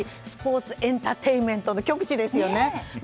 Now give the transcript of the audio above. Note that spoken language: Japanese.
スポーツエンターテインメントの極地ですよね。